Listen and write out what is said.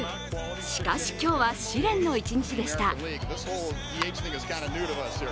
しかし今日は試練の一日でした。